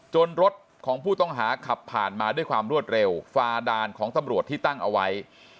รถของผู้ต้องหาขับผ่านมาด้วยความรวดเร็วฝ่าด่านของตำรวจที่ตั้งเอาไว้